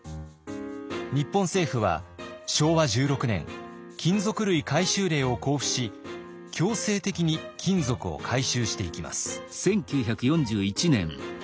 日本政府は昭和１６年金属類回収令を公布し強制的に金属を回収していきます。